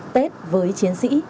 tết với chiến sĩ